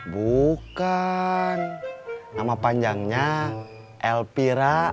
bukan nama panjangnya elpira